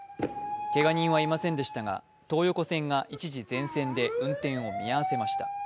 けが人はいませんでしたが、東横線が一時全線で運転を見合わせました。